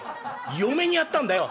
嫁にやったんだよ」。